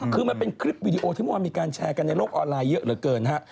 คือมันเป็นคลิปวีดีโอที่เมื่อวานมีการแชร์กันในโลกออนไลน์เยอะเหลือเกินฮะ